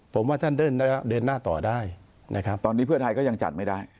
ผมว่าท่านเดินหน้าต่อได้นะครับตอนนี้เพื่อไทยก็ยังจัดไม่ได้